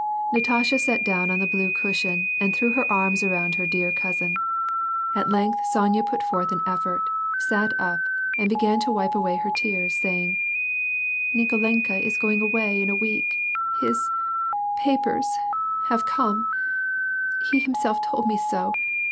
Natasha sat down on the blue cushion and threw her arms around her dear cousin. At length Sonya put forth an effort, sat up, and began to wipe away her tears, saying, —" Xikolenka is going away in a week — his — papers — have come — he himself told me so.